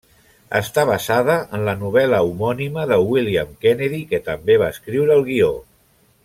Està basada en la novel·la homònima de William Kennedy, que també va escriure el guió.